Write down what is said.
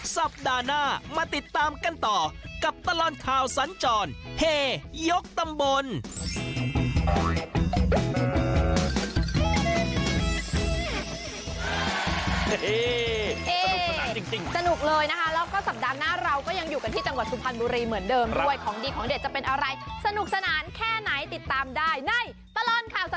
สัปดาห์หน้ามาติดตามกันต่อกับตลอดข่าวสัญจรเฮยกตำบล